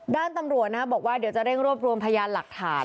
ด้านตำรวจนะบอกว่าเดี๋ยวจะเร่งรวบรวมพยานหลักฐาน